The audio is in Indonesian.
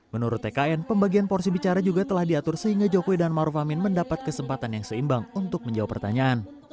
menurut tkn pembagian porsi bicara juga telah diatur sehingga jokowi dan maruf amin mendapat kesempatan yang seimbang untuk menjawab pertanyaan